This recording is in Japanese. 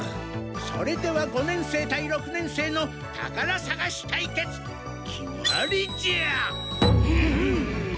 それでは五年生対六年生の宝探し対決決まりじゃ！